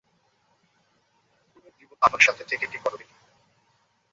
পুরো জীবন আমার সাথে থেকে কি করবি তুই?